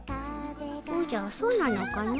おじゃそうなのかの。